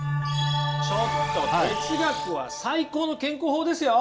ちょっと哲学は最高の健康法ですよ！